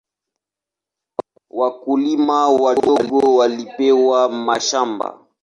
Wakulima wadogo walipewa mashamba.